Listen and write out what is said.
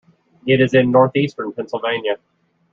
It is in northeastern Pennsylvania.